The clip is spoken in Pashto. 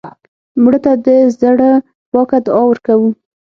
مړه ته د زړه پاکه دعا ورکوو